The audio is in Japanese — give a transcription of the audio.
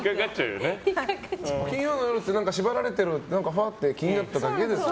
金曜の夜って縛られてるって気になっただけですよね。